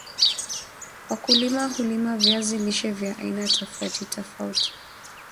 wakulima hulima viazi lishe vya aina tofauti tofauti